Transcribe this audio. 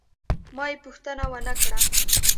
ما یې پوښتنه ونه کړه.